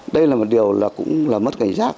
đây là một điều cũng là mất cảnh giác